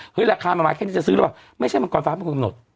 ราคามันมาแค่นี้จะซื้อหรือเปล่าไม่ใช่มังกรฟ้าเป็นคนกำหนด